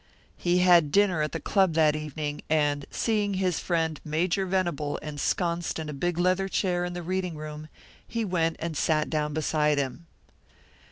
He had dinner at the Club that evening, and, seeing his friend Major Venable ensconced in a big leather chair in the reading room, he went and sat down beside him.